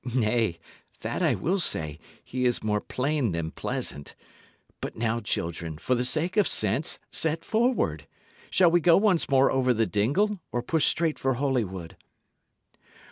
Nay, that I will say: he is more plain than pleasant. But now, children, for the sake of sense, set forward. Shall we go once more over the dingle, or push straight for Holywood?"